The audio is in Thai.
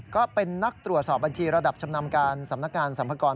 ก็เป็นนักตรวจสอบบัญชีระดับชำนาญการสำนักงานสัมภากร